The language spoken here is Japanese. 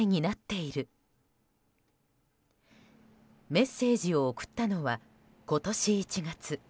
メッセージを送ったのは今年１月。